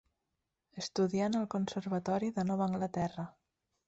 Estudià en el Conservatori de Nova Anglaterra.